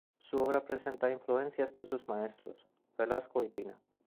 Su obra presenta influencias de sus maestros, Velasco y Pina.